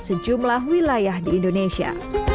sejumlah wilayah di indonesia